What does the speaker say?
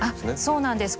そうなんです。